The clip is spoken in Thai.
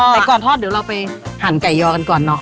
แต่ก่อนทอดเดี๋ยวเราไปหั่นไก่ยอกันก่อนเนอะ